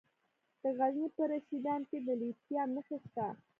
د غزني په رشیدان کې د لیتیم نښې شته.